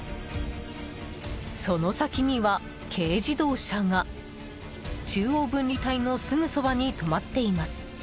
その先には、軽自動車が中央分離帯のすぐそばに止まっています。